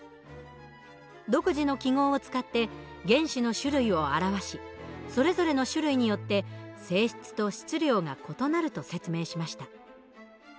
独自の記号を使って原子の種類を表しそれぞれの種類によって性質と質量が異なると説明しました。